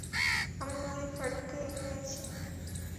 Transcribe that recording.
আমি উইলফ্রেডকে এনেছি।